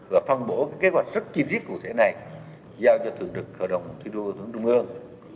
và phân bổ kế hoạch rất chi tiết cụ thể này giao cho thủ tướng thủ tướng trung ương